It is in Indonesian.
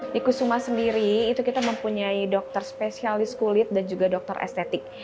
di kusuma sendiri kita mempunyai dokter spesialis kulit dan juga dokter estetik